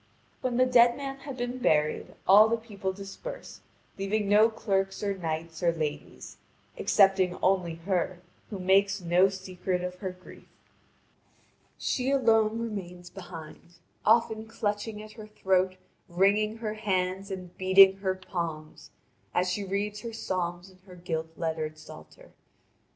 When the dead man had been buried, all the people dispersed, leaving no clerks or knights or ladies, excepting only her who makes no secret of her grief. She alone remains behind, often clutching at her throat, wringing her hands, and beating her palms, as she reads her psalms in her gilt lettered psalter.